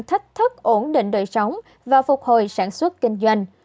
thách thức ổn định đời sống và phục hồi sản xuất kinh doanh